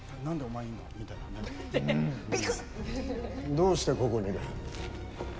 どうして、ここにいる。